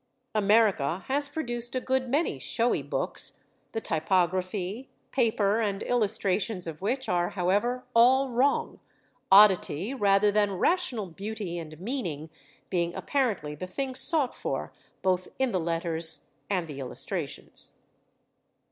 America has produced a good many showy books, the typography, paper, and illustrations of which are, however, all wrong, oddity rather than rational beauty and meaning being apparently the thing sought for both in the letters and the illustrations.